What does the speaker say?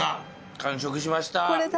完食しました。